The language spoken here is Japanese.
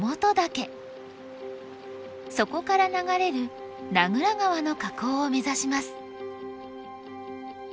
そこから流れる名蔵川の河口を目指します。